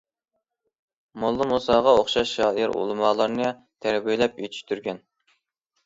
موللا مۇساغا ئوخشاش شائىر ئۆلىمالارنى تەربىيەلەپ يېتىشتۈرگەن.